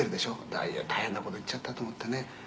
「だから大変な事言っちゃったと思ってね」